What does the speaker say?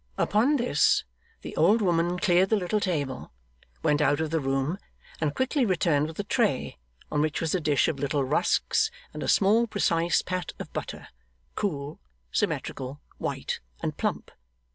Upon this, the old woman cleared the little table, went out of the room, and quickly returned with a tray on which was a dish of little rusks and a small precise pat of butter, cool, symmetrical, white, and plump.